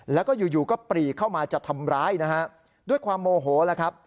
แล้วก็อยู่อยู่ก็ปรีเข้ามาจะทำร้ายนะฮะด้วยความโมโหแล้วครับ